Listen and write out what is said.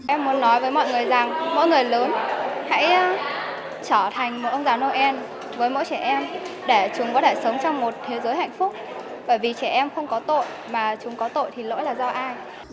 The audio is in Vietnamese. em muốn nói với mọi người rằng mỗi người lớn hãy trở thành một ông già noel với mỗi trẻ em để chúng có thể sống trong một thế giới hạnh phúc bởi vì trẻ em không có tội mà chúng có tội thì lỗi là do ai